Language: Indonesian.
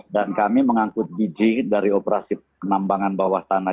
dan kami mengangkut biji dari operasi penambangan bawah tanah